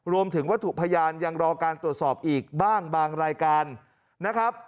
รวมถึงวัตถุพยานยังรอการตรวจสอบอีกบ้างบางรายการนะครับ